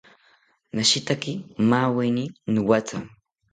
Nashetaki maaweni nowatha